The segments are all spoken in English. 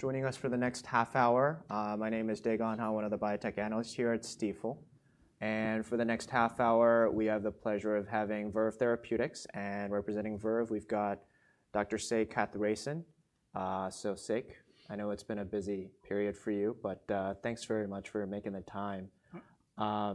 Joining us for the next half hour. My name is Dae Gon Ha, one of the biotech analysts here at Stifel. And for the next half hour, we have the pleasure of having Verve Therapeutics. And representing Verve, we've got Dr. Sekar Kathiresan. So, Sek, I know it's been a busy period for you, but thanks very much for making the time. I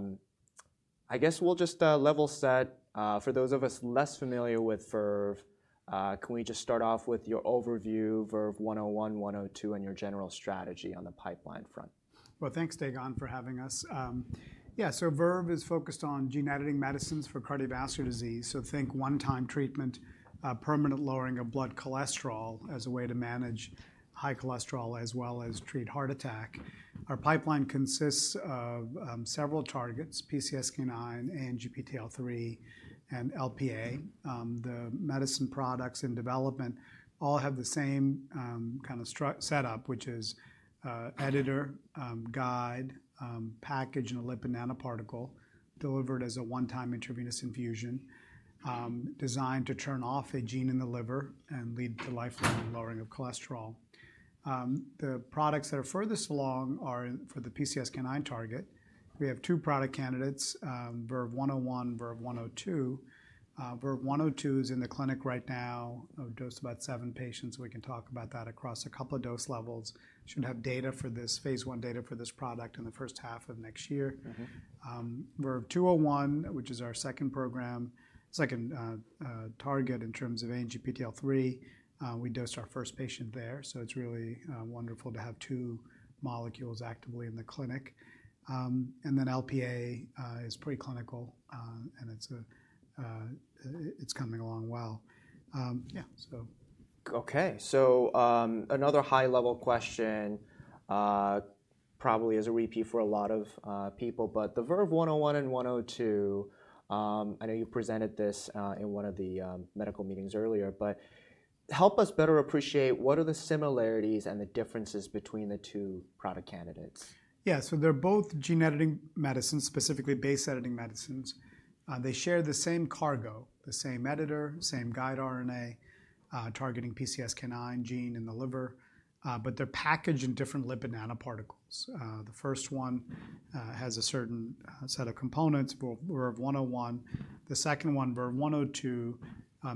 guess we'll just level set. For those of us less familiar with Verve, can we just start off with your overview, Verve-102, and your general strategy on the pipeline front? Thanks, Dae Gon, for having us. Yeah, so Verve is focused on gene editing medicines for cardiovascular disease, so think one-time treatment, permanent lowering of blood cholesterol as a way to manage high cholesterol as well as treat heart attack. Our pipeline consists of several targets: PCSK9, ANGPTL3, and Lp(a). The medicine products in development all have the same kind of setup, which is editor, guide, package, and a lipid nanoparticle delivered as a one-time intravenous infusion designed to turn off a gene in the liver and lead to lifelong lowering of cholesterol. The products that are furthest along are for the PCSK9 target. We have two product candidates, Verve-101, Verve-102. Verve-102 is in the clinic right now, dosed about seven patients. We can talk about that across a couple of dose levels. Should have data for this, phase I data for this product in the first half of next year. VERVE-201, which is our second program, second target in terms of ANGPTL3, we dosed our first patient there. It's really wonderful to have two molecules actively in the clinic. And then Lp(a) is preclinical, and it's coming along well. Yeah, so. OK, so another high-level question, probably as a repeat for a lot of people, but the Verve-101 and Verve-102, I know you presented this in one of the medical meetings earlier, but help us better appreciate what are the similarities and the differences between the two product candidates? Yeah, so they're both gene editing medicines, specifically base editing medicines. They share the same cargo, the same editor, same guide RNA targeting PCSK9 gene in the liver, but they're packaged in different lipid nanoparticles. The first one has a certain set of components, Verve-101. The second one, Verve-102,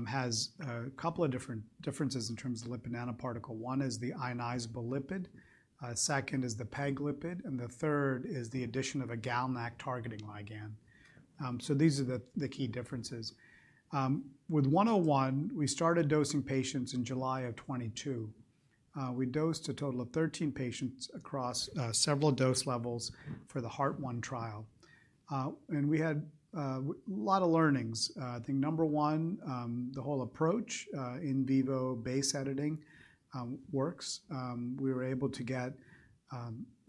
has a couple of different differences in terms of lipid nanoparticle. One is the ionizable lipid, second is the PEG lipid, and the third is the addition of a GalNAc targeting ligand. So these are the key differences. With 101, we started dosing patients in July of 2022. We dosed a total of 13 patients across several dose levels for the Heart-1 trial. And we had a lot of learnings. I think number one, the whole approach, in vivo base editing works. We were able to get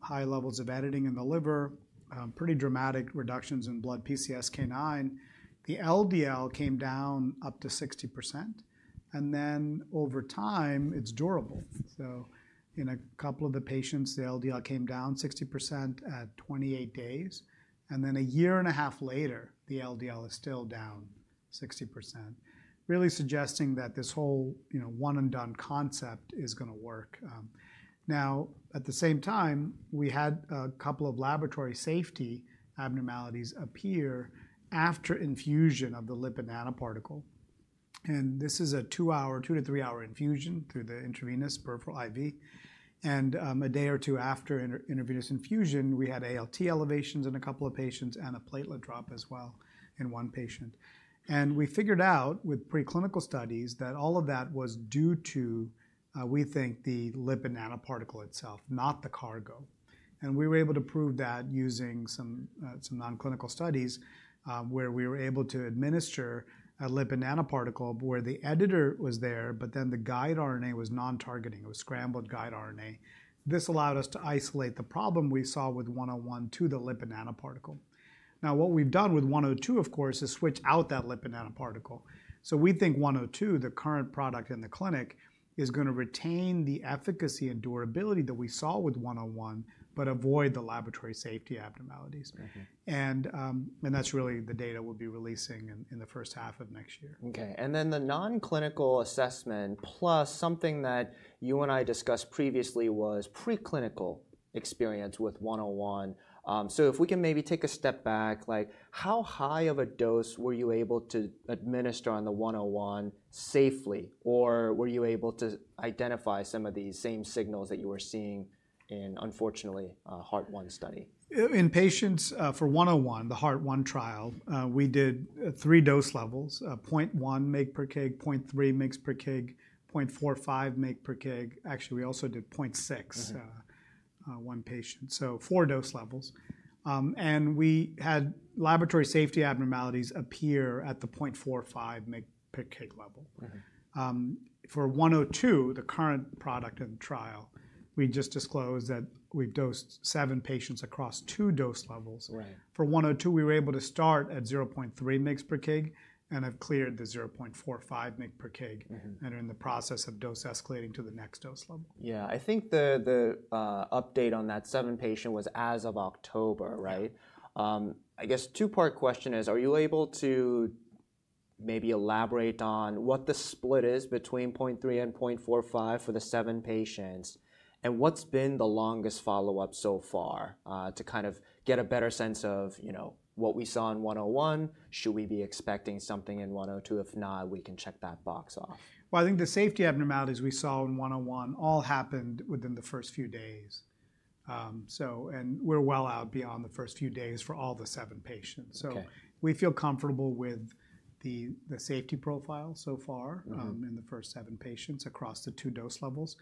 high levels of editing in the liver, pretty dramatic reductions in blood PCSK9. The LDL came down up to 60%. Then over time, it's durable. In a couple of the patients, the LDL came down 60% at 28 days. Then a year and a half later, the LDL is still down 60%, really suggesting that this whole one-and-done concept is going to work. Now, at the same time, we had a couple of laboratory safety abnormalities appear after infusion of the lipid nanoparticle. This is a two-hour, two to three-hour infusion through the intravenous peripheral IV. A day or two after intravenous infusion, we had ALT elevations in a couple of patients and a platelet drop as well in one patient. We figured out with preclinical studies that all of that was due to, we think, the lipid nanoparticle itself, not the cargo. We were able to prove that using some nonclinical studies where we were able to administer a lipid nanoparticle where the editor was there, but then the guide RNA was non-targeting. It was scrambled guide RNA. This allowed us to isolate the problem we saw with 101 to the lipid nanoparticle. Now, what we've done with 102, of course, is switch out that lipid nanoparticle. We think 102, the current product in the clinic, is going to retain the efficacy and durability that we saw with 101, but avoid the laboratory safety abnormalities. That's really the data we'll be releasing in the first half of next year. OK, and then the nonclinical assessment, plus something that you and I discussed previously was preclinical experience with 101. So if we can maybe take a step back, like how high of a dose were you able to administer on the 101 safely? Or were you able to identify some of these same signals that you were seeing in, unfortunately, Heart-1 study? In patients for 101, the HART-1 trial, we did three dose levels: 0.1 mg/kg, 0.3 mg/kg, 0.45 mg/kg. Actually, we also did 0.6 on one patient, so four dose levels. And we had laboratory safety abnormalities appear at the 0.45 mg/kg level. For 102, the current product in trial, we just disclosed that we've dosed seven patients across two dose levels. For 102, we were able to start at 0.3 mg/kg and have cleared the 0.45 mg/kg and are in the process of dose escalating to the next dose level. Yeah, I think the update on that seven-patient was as of October, right? I guess two-part question is, are you able to maybe elaborate on what the split is between 0.3 and 0.45 for the seven patients? And what's been the longest follow-up so far to kind of get a better sense of what we saw in 101? Should we be expecting something in 102? If not, we can check that box off. Well, I think the safety abnormalities we saw in 101 all happened within the first few days. And we're well out beyond the first few days for all the seven patients. So we feel comfortable with the safety profile so far in the first seven patients across the two dose levels.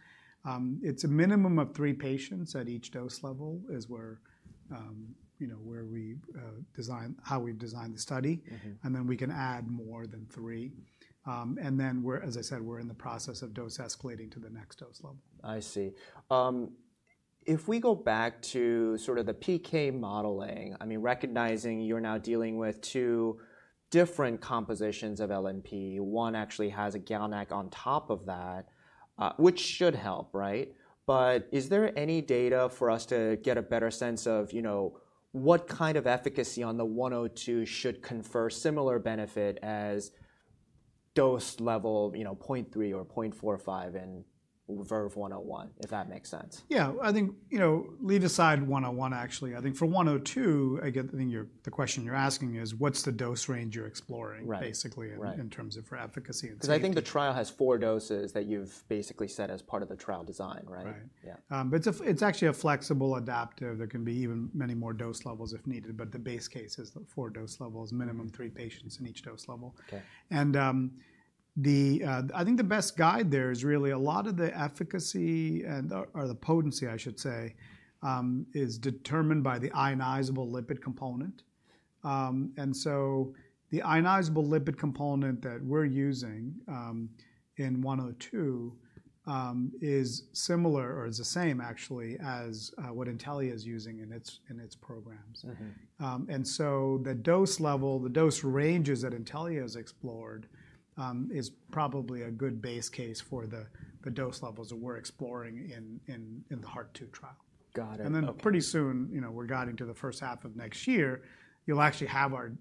It's a minimum of three patients at each dose level is where we design how we've designed the study. And then we can add more than three. And then, as I said, we're in the process of dose escalating to the next dose level. I see. If we go back to sort of the PK modeling, I mean, recognizing you're now dealing with two different compositions of LNP. One actually has a GalNAc on top of that, which should help, right? But is there any data for us to get a better sense of what kind of efficacy on the 102 should confer similar benefit as dose level 0.3 or 0.45 in Verve-101, if that makes sense? Yeah, I think leave aside 101, actually. I think for 102, I guess the question you're asking is, what's the dose range you're exploring, basically, in terms of efficacy and safety? Because I think the trial has four doses that you've basically set as part of the trial design, right? Right. But it's actually a flexible adaptive. There can be even many more dose levels if needed. But the base case is four dose levels, minimum three patients in each dose level. And I think the best guide there is really a lot of the efficacy or the potency, I should say, is determined by the ionizable lipid component. And so the ionizable lipid component that we're using in 102 is similar or is the same, actually, as what Intellia is using in its programs. And so the dose level, the dose ranges that Intellia has explored is probably a good base case for the dose levels that we're exploring in the Heart-2 trial. Got it. Then pretty soon, we're guiding to the first half of next year. You'll actually have our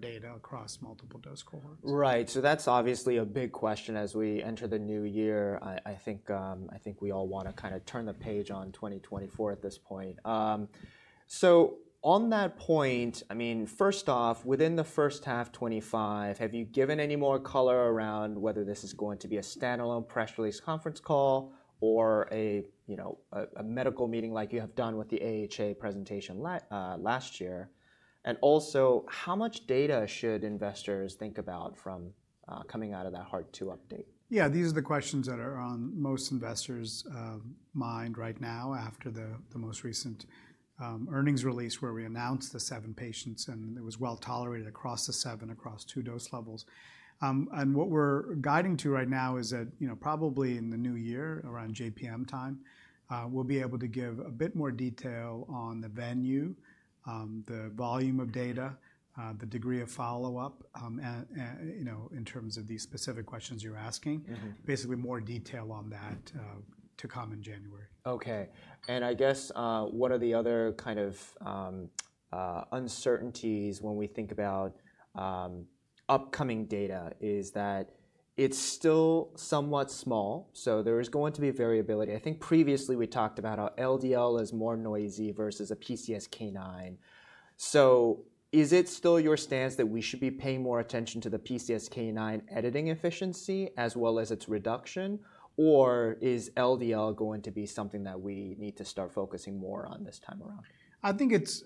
data across multiple dose cohorts. Right, so that's obviously a big question as we enter the new year. I think we all want to kind of turn the page on 2024 at this point. So on that point, I mean, first off, within the first half 2025, have you given any more color around whether this is going to be a standalone press release conference call or a medical meeting like you have done with the AHA presentation last year? And also, how much data should investors think about from coming out of that Heart-2 update? Yeah, these are the questions that are on most investors' mind right now after the most recent earnings release where we announced the seven patients. And it was well tolerated across the seven, across two dose levels. And what we're guiding to right now is that probably in the new year, around JPM time, we'll be able to give a bit more detail on the venue, the volume of data, the degree of follow-up in terms of these specific questions you're asking. Basically, more detail on that to come in January. Okay, and I guess one of the other kind of uncertainties when we think about upcoming data is that it's still somewhat small. So there is going to be variability. I think previously we talked about how LDL is more noisy versus a PCSK9. So is it still your stance that we should be paying more attention to the PCSK9 editing efficiency as well as its reduction? Or is LDL going to be something that we need to start focusing more on this time around? I think it's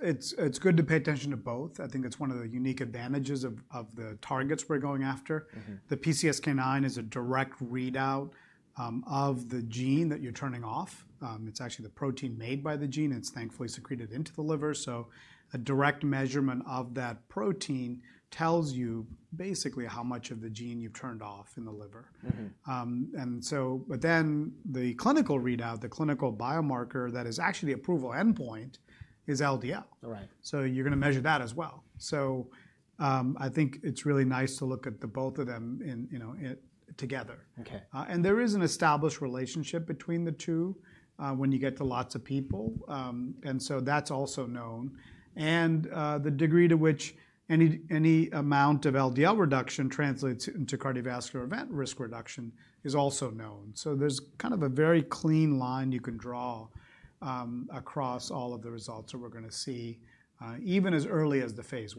good to pay attention to both. I think it's one of the unique advantages of the targets we're going after. The PCSK9 is a direct readout of the gene that you're turning off. It's actually the protein made by the gene. It's thankfully secreted into the liver. So a direct measurement of that protein tells you basically how much of the gene you've turned off in the liver. And so but then the clinical readout, the clinical biomarker that is actually the approval endpoint is LDL. So you're going to measure that as well. So I think it's really nice to look at the both of them together. And there is an established relationship between the two when you get to lots of people. And so that's also known. And the degree to which any amount of LDL reduction translates into cardiovascular event risk reduction is also known. So there's kind of a very clean line you can draw across all of the results that we're going to see even as early as the phase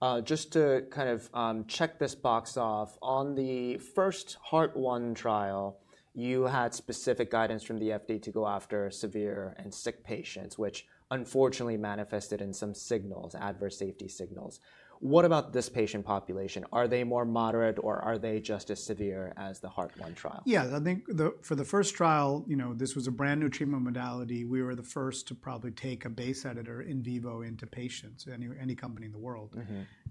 I. OK, just to kind of check this box off, on the first Heart-1 trial, you had specific guidance from the FDA to go after severe and sick patients, which unfortunately manifested in some signals, adverse safety signals. What about this patient population? Are they more moderate or are they just as severe as the Heart-1 trial? Yeah, I think for the first trial, this was a brand new treatment modality. We were the first to probably take a base editor in vivo into patients, any company in the world,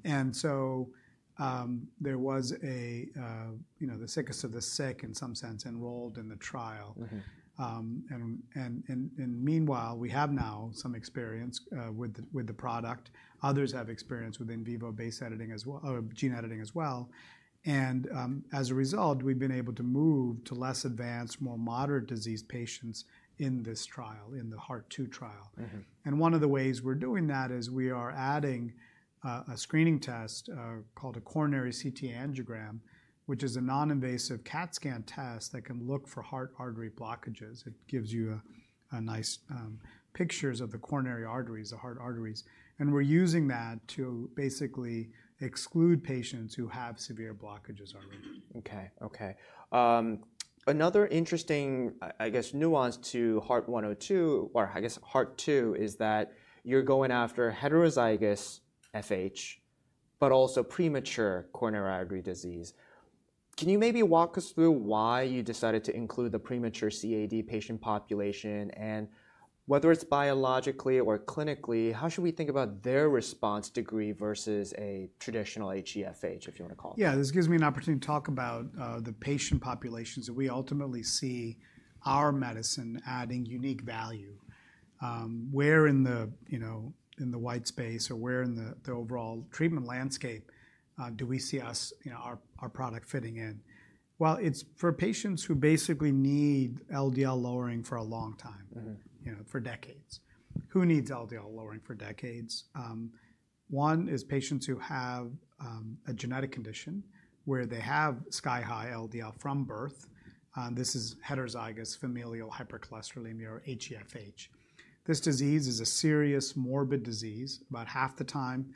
and so there was the sickest of the sick in some sense enrolled in the trial, and meanwhile, we have now some experience with the product. Others have experience with in vivo base editing as well or gene editing as well, and as a result, we've been able to move to less advanced, more moderate disease patients in this trial, in the Heart-2 trial, and one of the ways we're doing that is we are adding a screening test called a coronary CT angiogram, which is a non-invasive CT scan test that can look for heart artery blockages. It gives you nice pictures of the coronary arteries, the heart arteries. We're using that to basically exclude patients who have severe blockages already. OK, OK. Another interesting, I guess, nuance to Heart-2 or I guess Heart-2 is that you're going after heterozygous FH, but also premature coronary artery disease. Can you maybe walk us through why you decided to include the premature CAD patient population? And whether it's biologically or clinically, how should we think about their response degree versus a traditional HeFH, if you want to call it? Yeah, this gives me an opportunity to talk about the patient populations that we ultimately see our medicine adding unique value. Where in the white space or where in the overall treatment landscape do we see our product fitting in? Well, it's for patients who basically need LDL lowering for a long time, for decades. Who needs LDL lowering for decades? One is patients who have a genetic condition where they have sky-high LDL from birth. This is heterozygous familial hypercholesterolemia or HeFH. This disease is a serious morbid disease. About half the time,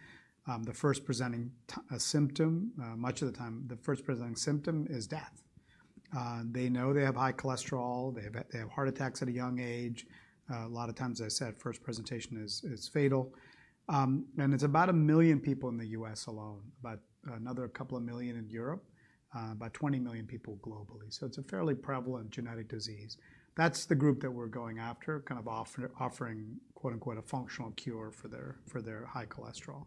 the first presenting symptom, much of the time, the first presenting symptom is death. They know they have high cholesterol. They have heart attacks at a young age. A lot of times, as I said, first presentation is fatal. And it's about a million people in the U.S. alone, about another couple of million in Europe, about 20 million people globally. So it's a fairly prevalent genetic disease. That's the group that we're going after, kind of offering "a functional cure" for their high cholesterol.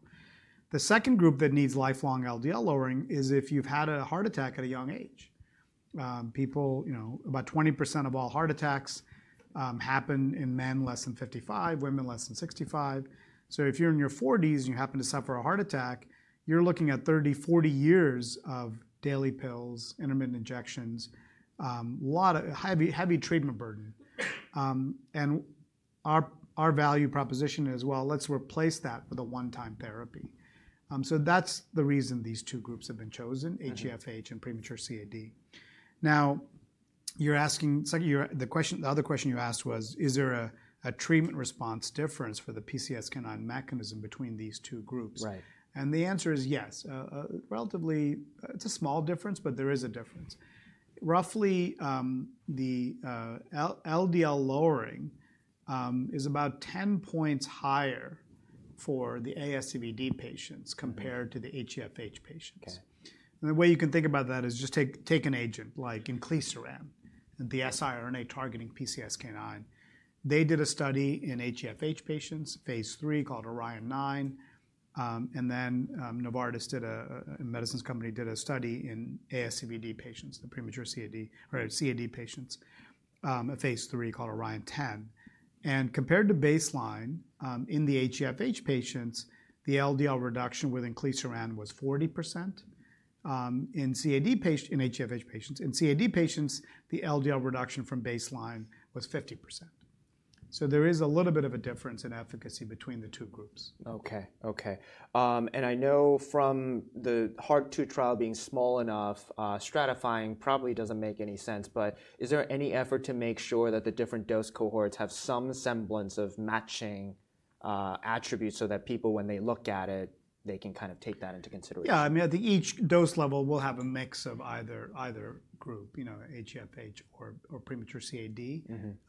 The second group that needs lifelong LDL lowering is if you've had a heart attack at a young age. About 20% of all heart attacks happen in men less than 55, women less than 65. So if you're in your 40s and you happen to suffer a heart attack, you're looking at 30, 40 years of daily pills, intermittent injections, heavy treatment burden. And our value proposition is, well, let's replace that with a one-time therapy. So that's the reason these two groups have been chosen, HeFH and premature CAD. Now, the other question you asked was, is there a treatment response difference for the PCSK9 mechanism between these two groups? And the answer is yes. It's a small difference, but there is a difference. Roughly, the LDL lowering is about 10 points higher for the ASCVD patients compared to the HeFH patients. And the way you can think about that is just take an agent like inclisiran, the siRNA targeting PCSK9. They did a study in HeFH patients, phase III, called ORION-9. And then Novartis and Medicines Company did a study in ASCVD patients, the premature CAD patients, a phase III called ORION-10. And compared to baseline, in the HeFH patients, the LDL reduction with inclisiran was 40%. In HeFH patients, in CAD patients, the LDL reduction from baseline was 50%. So there is a little bit of a difference in efficacy between the two groups. OK, OK. And I know from the Heart-2 trial being small enough, stratifying probably doesn't make any sense. But is there any effort to make sure that the different dose cohorts have some semblance of matching attributes so that people, when they look at it, they can kind of take that into consideration? Yeah, I mean, I think each dose level will have a mix of either group, HeFH or premature CAD.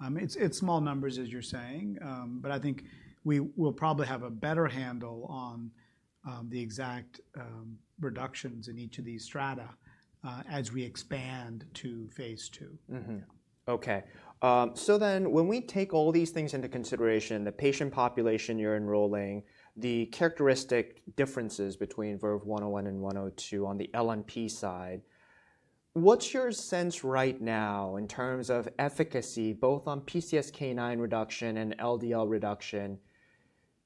It's small numbers, as you're saying. But I think we will probably have a better handle on the exact reductions in each of these strata as we expand to phase II. OK. So then when we take all these things into consideration, the patient population you're enrolling, the characteristic differences between Verve-101 and 102 on the LNP side, what's your sense right now in terms of efficacy, both on PCSK9 reduction and LDL reduction?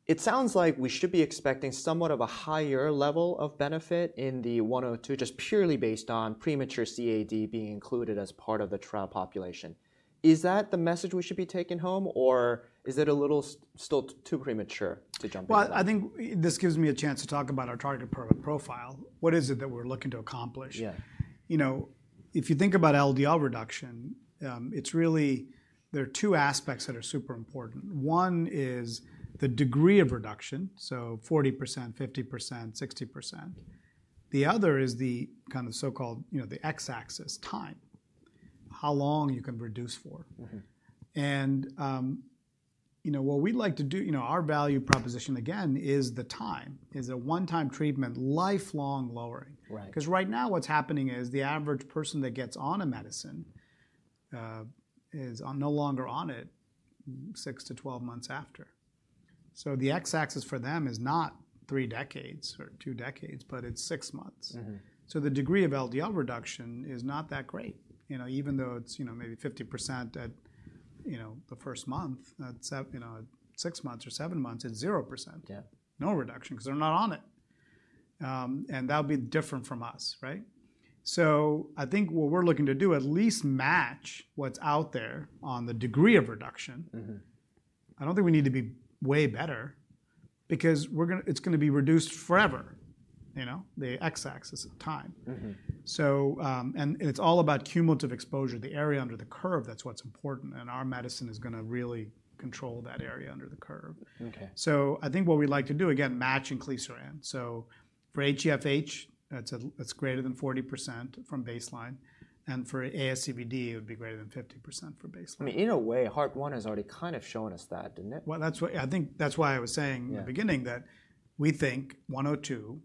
It sounds like we should be expecting somewhat of a higher level of benefit in the 102 just purely based on premature CAD being included as part of the trial population. Is that the message we should be taking home? Or is it a little still too premature to jump in? I think this gives me a chance to talk about our target profile. What is it that we're looking to accomplish? If you think about LDL reduction, it's really there are two aspects that are super important. One is the degree of reduction, so 40%, 50%, 60%. The other is the kind of so-called the x-axis time, how long you can reduce for. What we'd like to do, our value proposition, again, is the time. Is a one-time treatment lifelong lowering? Because right now, what's happening is the average person that gets on a medicine is no longer on it 6 to 12 months after. The x-axis for them is not three decades or two decades, but it's six months. The degree of LDL reduction is not that great. Even though it's maybe 50% at the first month, at six months or seven months, it's 0%, no reduction, because they're not on it. And that would be different from us, right? So I think what we're looking to do, at least match what's out there on the degree of reduction. I don't think we need to be way better, because it's going to be reduced forever, the x-axis time. And it's all about cumulative exposure. The area under the curve, that's what's important. And our medicine is going to really control that area under the curve. So I think what we'd like to do, again, match inclisiran. So for HeFH, it's greater than 40% from baseline. And for ASCVD, it would be greater than 50% from baseline. I mean, in a way, Heart-1 has already kind of shown us that, didn't it? I think that's why I was saying in the beginning that we think 102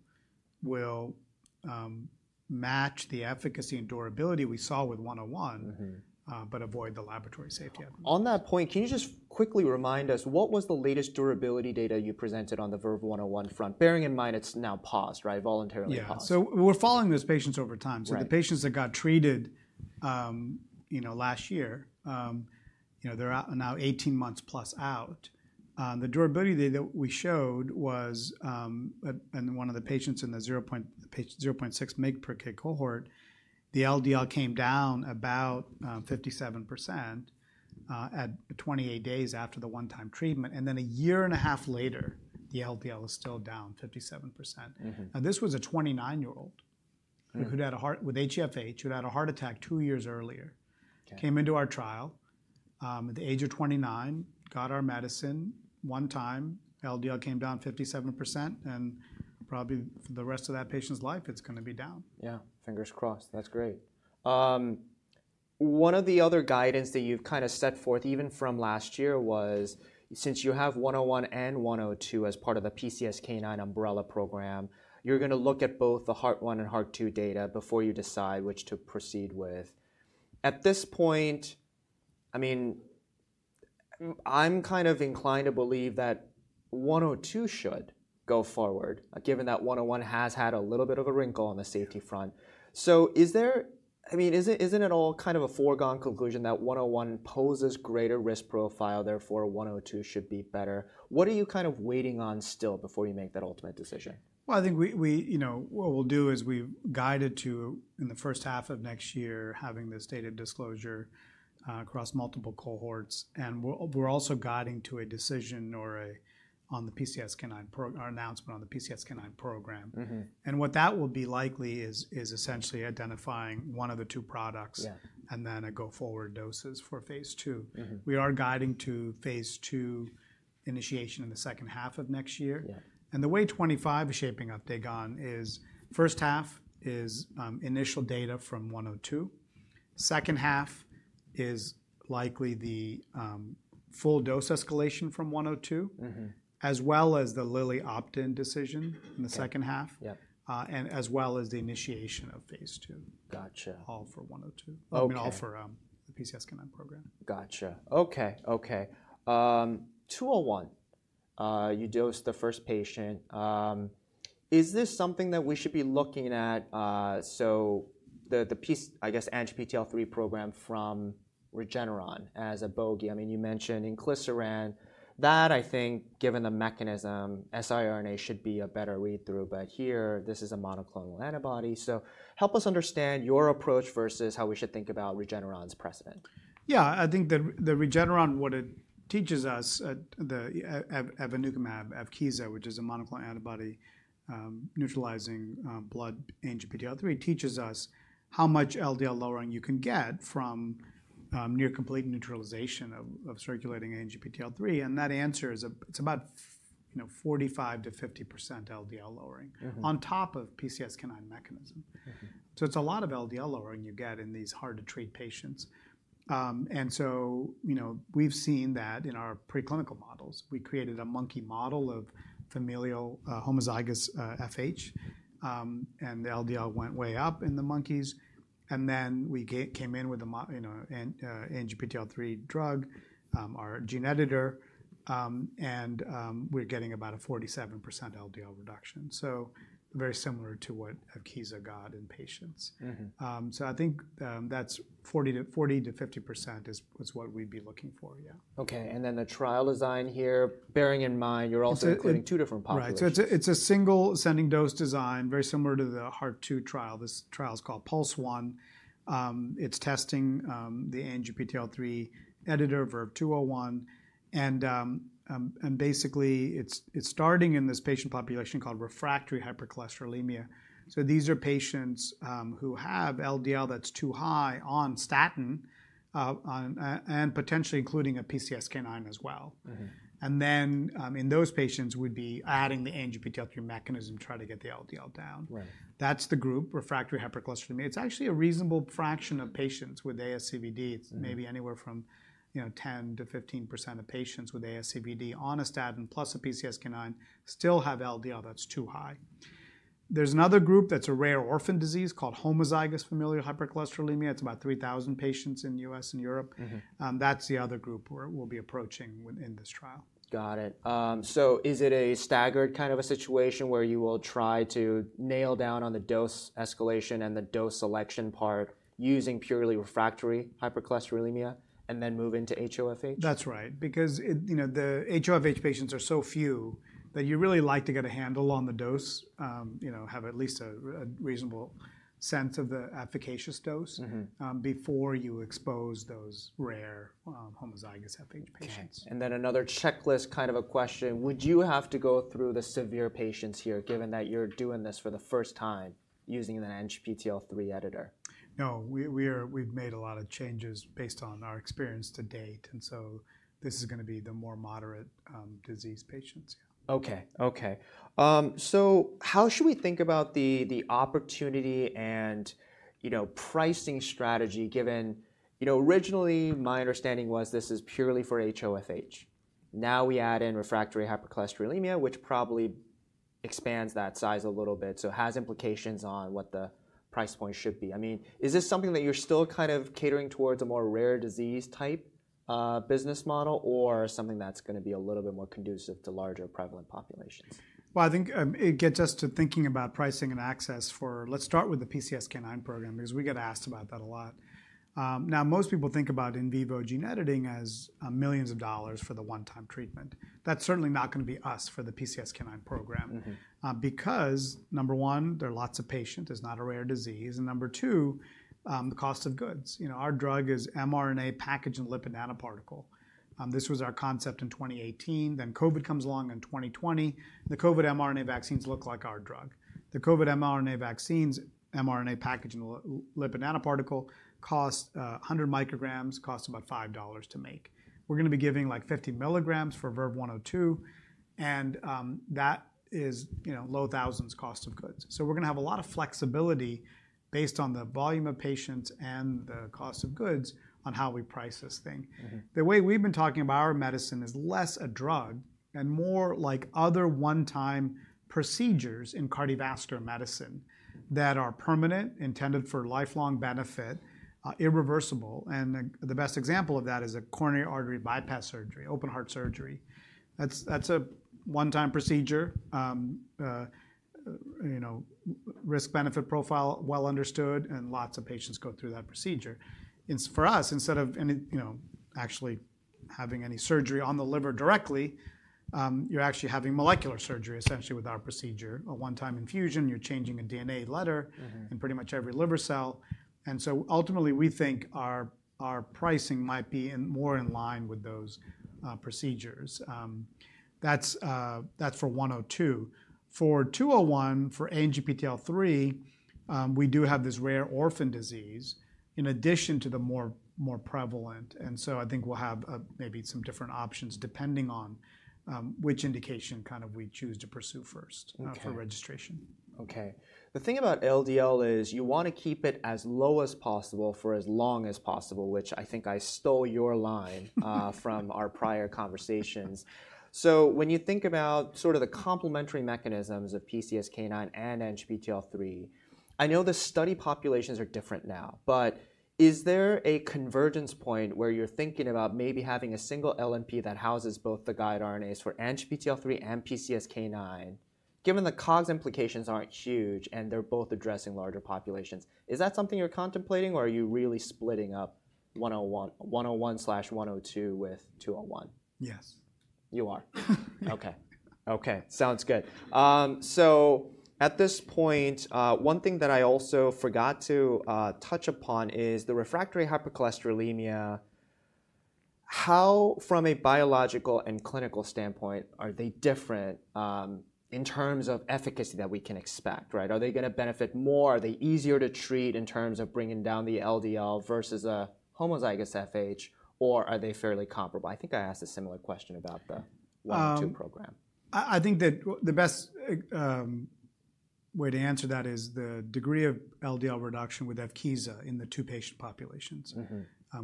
will match the efficacy and durability we saw with 101, but avoid the liver safety events. On that point, can you just quickly remind us, what was the latest durability data you presented on the Verve-101 front? Bearing in mind it's now paused, right, voluntarily paused. Yeah, so we're following those patients over time. So the patients that got treated last year, they're now 18 months plus out. The durability data that we showed was in one of the patients in the 0.6 mg/kg cohort. The LDL came down about 57% at 28 days after the one-time treatment. And then a year and a half later, the LDL is still down 57%. Now, this was a 29-year-old with HeFH who had a heart attack two years earlier, came into our trial at the age of 29, got our medicine one time, LDL came down 57%. And probably for the rest of that patient's life, it's going to be down. Yeah, fingers crossed. That's great. One of the other guidance that you've kind of set forth, even from last year, was since you have 101 and 102 as part of the PCSK9 umbrella program, you're going to look at both the Heart-1 and Heart-2 data before you decide which to proceed with. At this point, I mean, I'm kind of inclined to believe that 102 should go forward, given that 101 has had a little bit of a wrinkle on the safety front. So I mean, isn't it all kind of a foregone conclusion that 101 poses greater risk profile, therefore 102 should be better? What are you kind of waiting on still before you make that ultimate decision? I think what we'll do is we've guided to, in the first half of next year, having this data disclosure across multiple cohorts. And we're also guiding to a decision on the PCSK9, our announcement on the PCSK9 program. And what that will be likely is essentially identifying one of the two products and then a go-forward doses for phase II. We are guiding to phase II initiation in the second half of next year. And the way 25 is shaping up, Dae Gon, is first half is initial data from 102. Second half is likely the full dose escalation from 102, as well as the Lilly opt-in decision in the second half, and as well as the initiation of phase II, all for 102, all for the PCSK9 program. Gotcha. OK, OK. VERVE-201, you dosed the first patient. Is this something that we should be looking at? So the, I guess, anti-ANGPTL3 program from Regeneron as a bogey. I mean, you mentioned inclisiran. That, I think, given the mechanism, siRNA should be a better read-through. But here, this is a monoclonal antibody. So help us understand your approach versus how we should think about Regeneron's precedent. Yeah, I think that Regeneron, what it teaches us, the Evkeeza, which is a monoclonal antibody neutralizing ANGPTL3, teaches us how much LDL lowering you can get from near complete neutralization of circulating ANGPTL3. And that answer is about 45%-50% LDL lowering on top of PCSK9 mechanism. So it's a lot of LDL lowering you get in these hard-to-treat patients. And so we've seen that in our preclinical models. We created a monkey model of familial homozygous FH. And the LDL went way up in the monkeys. And then we came in with an anti-ANGPTL3 drug, our gene editor. And we're getting about a 47% LDL reduction. So very similar to what Evkeeza got in patients. So I think that's 40%-50% is what we'd be looking for, yeah. OK, and then the trial design here, bearing in mind you're also including two different populations? Right. So it's a single ascending dose design, very similar to the Heart-2 trial. This trial is called Pulse-1. It's testing the anti-ANGPTL3 editor, Verve-201. And basically, it's starting in this patient population called refractory hypercholesterolemia. So these are patients who have LDL that's too high on statin and potentially including a PCSK9 as well. And then in those patients, we'd be adding the anti-ANGPTL3 mechanism to try to get the LDL down. That's the group, refractory hypercholesterolemia. It's actually a reasonable fraction of patients with ASCVD. It's maybe anywhere from 10%-15% of patients with ASCVD on a statin plus a PCSK9 still have LDL that's too high. There's another group that's a rare orphan disease called homozygous familial hypercholesterolemia. It's about 3,000 patients in the U.S. and Europe. That's the other group we'll be approaching in this trial. Got it. So is it a staggered kind of a situation where you will try to nail down on the dose escalation and the dose selection part using purely refractory hypercholesterolemia and then move into HoFH? That's right. Because the HoFH patients are so few that you really like to get a handle on the dose, have at least a reasonable sense of the efficacious dose before you expose those rare homozygous FH patients. Then another checklist kind of a question. Would you have to go through the severe patients here, given that you're doing this for the first time using an anti-ANGPTL3 editor? No, we've made a lot of changes based on our experience to date, and so this is going to be the more moderate disease patients, yeah. OK, OK. So how should we think about the opportunity and pricing strategy, given originally my understanding was this is purely for HoFH? Now we add in refractory hypercholesterolemia, which probably expands that size a little bit. So it has implications on what the price point should be. I mean, is this something that you're still kind of catering towards a more rare disease type business model or something that's going to be a little bit more conducive to larger prevalent populations? I think it gets us to thinking about pricing and access for let's start with the PCSK9 program, because we get asked about that a lot. Now, most people think about in vivo gene editing as millions of dollars for the one-time treatment. That's certainly not going to be us for the PCSK9 program. Because number one, there are lots of patients. It's not a rare disease. And number two, the cost of goods. Our drug is mRNA packaged in lipid nanoparticle. This was our concept in 2018. Then COVID comes along in 2020. The COVID mRNA vaccines look like our drug. The COVID mRNA vaccines, mRNA packaged in lipid nanoparticle, cost 100 micrograms, cost about $5 to make. We're going to be giving like 50 milligrams for Verve-102. And that is low thousands cost of goods. So we're going to have a lot of flexibility based on the volume of patients and the cost of goods on how we price this thing. The way we've been talking about our medicine is less a drug and more like other one-time procedures in cardiovascular medicine that are permanent, intended for lifelong benefit, irreversible. And the best example of that is a coronary artery bypass surgery, open heart surgery. That's a one-time procedure, risk-benefit profile well understood, and lots of patients go through that procedure. For us, instead of actually having any surgery on the liver directly, you're actually having molecular surgery, essentially, with our procedure. A one-time infusion, you're changing a DNA letter in pretty much every liver cell. And so ultimately, we think our pricing might be more in line with those procedures. That's for 102. For 201, for ANGPTL3, we do have this rare orphan disease in addition to the more prevalent. And so I think we'll have maybe some different options depending on which indication kind of we choose to pursue first for registration. Okay. The thing about LDL is you want to keep it as low as possible for as long as possible, which I think I stole your line from our prior conversations. So when you think about sort of the complementary mechanisms of PCSK9 and ANGPTL3, I know the study populations are different now. But is there a convergence point where you're thinking about maybe having a single LNP that houses both the guide RNAs for ANGPTL3 and PCSK9, given the COGS implications aren't huge and they're both addressing larger populations? Is that something you're contemplating, or are you really splitting up 101/102 with 201? Yes. You are. Ok. Ok. Sounds good. So at this point, one thing that I also forgot to touch upon is the refractory hypercholesterolemia. How, from a biological and clinical standpoint, are they different in terms of efficacy that we can expect, right? Are they going to benefit more? Are they easier to treat in terms of bringing down the LDL versus a homozygous FH, or are they fairly comparable? I think I asked a similar question about the 102 program. I think that the best way to answer that is the degree of LDL reduction with Evkeeza in the two patient populations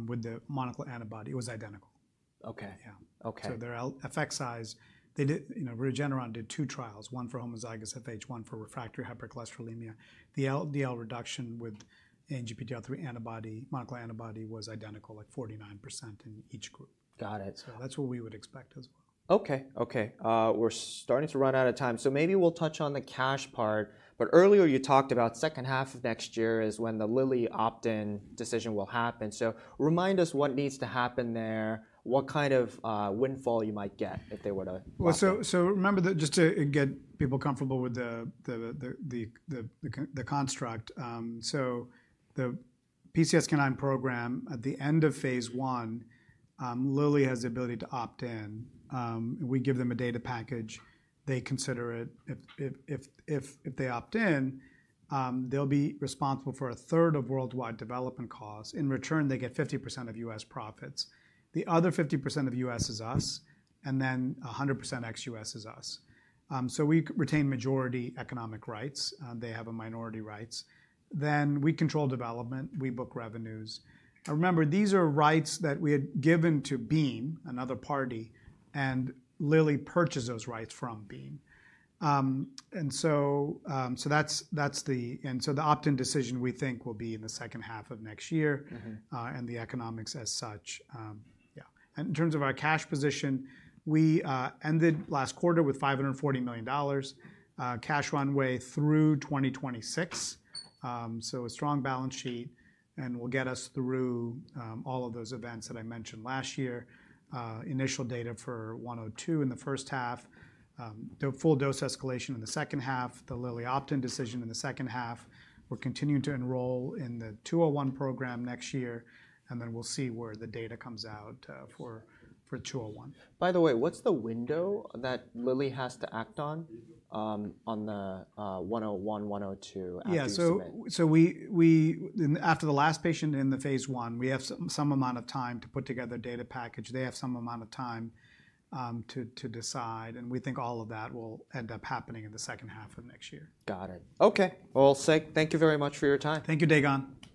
with the monoclonal antibody was identical. OK. Yeah. OK. So, their effect size, Regeneron did two trials, one for homozygous FH, one for refractory hypercholesterolemia. The LDL reduction with anti-ANGPTL3 monoclonal antibody was identical, like 49% in each group. Got it. So that's what we would expect as well. OK, OK. We're starting to run out of time. So maybe we'll touch on the cash part. But earlier, you talked about second half of next year is when the Lilly opt-in decision will happen. So remind us what needs to happen there, what kind of windfall you might get if they were to. Well, so remember, just to get people comfortable with the construct, so the PCSK9 program, at the end of phase I, Lilly has the ability to opt in. We give them a data package. They consider it. If they opt in, they'll be responsible for a third of worldwide development costs. In return, they get 50% of U.S. profits. The other 50% of U.S. is us, and then 100% ex-U.S. is us. So we retain majority economic rights. They have minority rights. Then we control development. We book revenues. And remember, these are rights that we had given to Beam, another party. And Lilly purchased those rights from Beam. And so that's the opt-in decision we think will be in the second half of next year and the economics as such, yeah. And in terms of our cash position, we ended last quarter with $540 million cash runway through 2026. So a strong balance sheet. And we'll get us through all of those events that I mentioned last year, initial data for 102 in the first half, the full dose escalation in the second half, the Lilly opt-in decision in the second half. We're continuing to enroll in the 201 program next year. And then we'll see where the data comes out for 201. By the way, what's the window that Lilly has to act on on the 101/102 after this event? Yeah. So after the last patient in phase I, we have some amount of time to put together a data package. They have some amount of time to decide. And we think all of that will end up happening in the second half of next year. Got it. OK. Well, thank you very much for your time. Thank you, Dae Gon Ha.